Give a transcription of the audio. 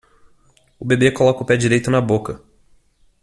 O bebê coloca o pé direito na boca.